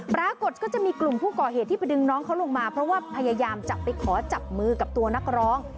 ก็จะมีกลุ่มผู้ก่อเหตุที่ไปดึงน้องเขาลงมาเพราะว่าพยายามจะไปขอจับมือกับตัวนักร้อง